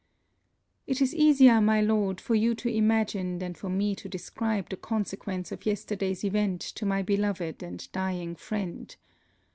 It is easier, my Lord, for you to imagine than for me to describe the consequence of yesterday's event to my beloved and dying friend.